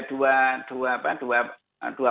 dua dua apa dua